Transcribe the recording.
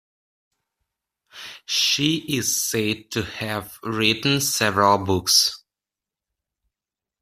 She is said to have written several books.